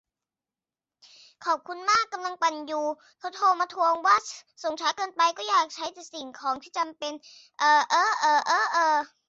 ขอบคุณมาก กำลังปั่นอยู่ "เขาโทรมาทวง ว่าส่งช้าเกินไป" ก็อยากจะใช้แต่สิ่งของจำเป็น เออ เอ๊อเออเอ๊อเออ